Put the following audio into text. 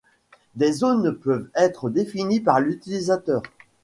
Des zones peuvent être définies par l'utilisateur.